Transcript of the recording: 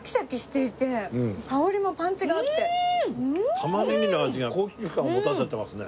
タマネギの味が高級感を持たせてますね。